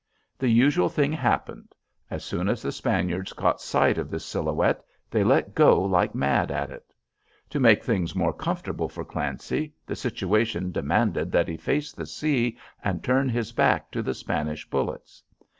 The usual thing happened. As soon as the Spaniards caught sight of this silhouette, they let go like mad at it. To make things more comfortable for Clancy, the situation demanded that he face the sea and turn his back to the Spanish bullets.